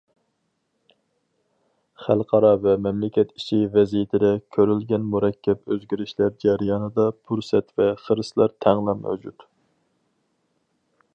خەلقئارا ۋە مەملىكەت ئىچى ۋەزىيىتىدە كۆرۈلگەن مۇرەككەپ ئۆزگىرىشلەر جەريانىدا پۇرسەت ۋە خىرىسلار تەڭلا مەۋجۇت.